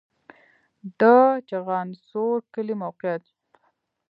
د چخانسور کلی موقعیت